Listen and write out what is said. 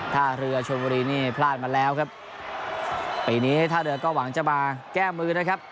ท่าเรือชนบุรีนี่พลาดมาแล้วครับปีนี้ให้ท่าเรือก็หวังจะมาแก้มือนะครับ